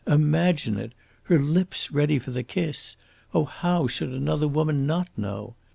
Imagine it! Her lips ready for the kiss! Oh, how should another woman not know?